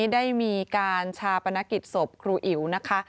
ได้มีการชาปนกิจศพครูอิ๋วนะคะ